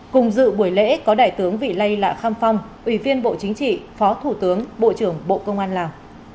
cùng dự buổi lễ có đại tướng vị lây lạ kham phong ủy viên bộ chính trị phó thủ tướng bộ trưởng bộ công an lào